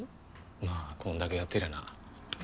まあこんだけやってりゃな。